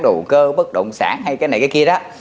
đầu cơ bất động sản hay cái này cái kia đó